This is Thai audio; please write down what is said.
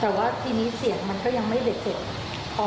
แต่ว่าที่นี้เสียงก็ยังไม่ได้พูดได้